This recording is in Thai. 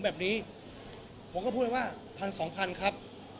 แบบนี้ผมก็พูดไปว่าพันสองพันครับ